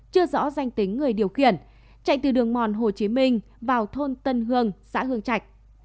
chưa rõ danh tính người điều khiển chạy từ đường mòn hồ chí minh vào thôn tân hương xã hương trạch